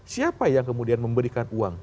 siapa yang kemudian memberikan uang